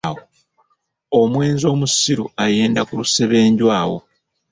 Omwenzi omusiru ayenda ku lusebenju awo.